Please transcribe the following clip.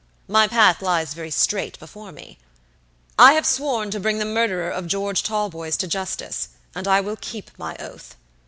My path lies very straight before me. I have sworn to bring the murderer of George Talboys to justice, and I will keep my oath.